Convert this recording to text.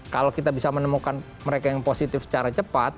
kalau kita bisa menemukan mereka yang positif secara cepat